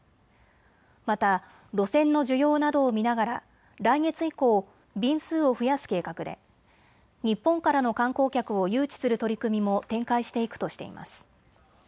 また路線の需要などを見ながら来月以降、便数を増やす計画で日本からの観光客を誘致する取り組みも展開していくとしています。